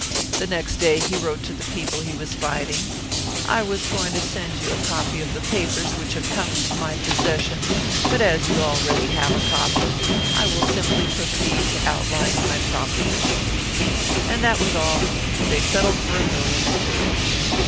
The next day he wrote to the people he was fighting, 'I was going to send you a copy of the papers which have come into my possession, but as you already have a copy, I will simply proceed to outline my proposition.' And that was all. They settled for a million or two."